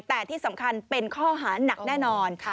แต่ที่สำคัญเป็นข้อหานักแน่นอน